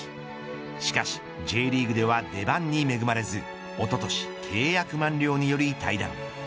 しかしＪリーグでは出番に恵まれずおととし、契約満了により退団。